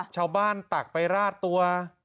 ชาวบ้านตักไปราดตัว